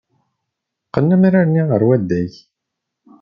Qqen amrar-nni ɣer waddag.